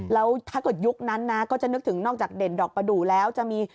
แล้วถ้าเกิดยุคนั้นนะก็จะนึกถึงนอกจากเด่นดอกประดูกแล้วจะมี